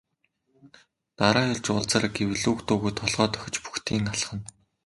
Дараа ирж уулзаарай гэвэл үг дуугүй толгой дохиж бөгтийн алхана.